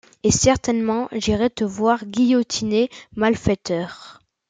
Et certainement, j’irai te voir guillotiner, malfaiteur.